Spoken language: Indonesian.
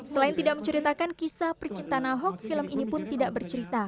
selain tidak menceritakan kisah percintaan ahok film ini pun tidak bercerita